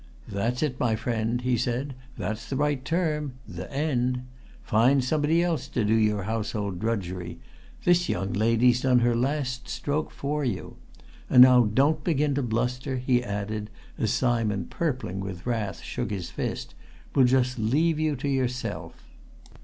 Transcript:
"That's it, my friend!" he said. "That's the right term the end! Find somebody else to do your household drudgery this young lady's done her last stroke for you. And now don't begin to bluster," he added, as Simon, purpling with wrath, shook his fist. "We'll just leave you to yourself."